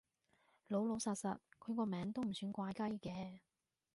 老老實實，佢個名都唔算怪雞嘅